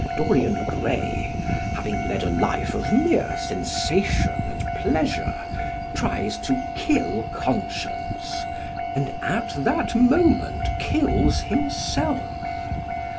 Dorian Gray, having led a life of mere sensation and pleasure, tries to kill conscience, and at that moment kills himself.